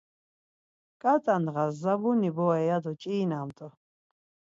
Ǩat̆a ndğas zabuni bore ya do ç̌irinamt̆u.